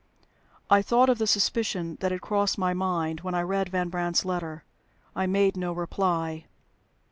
I thought of the suspicion that had crossed my mind when I read Van Brandt's letter. I made no reply.